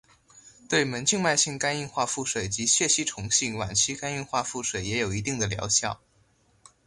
对门静脉性肝硬化腹水及血吸虫性晚期肝硬化腹水也有一定的疗效。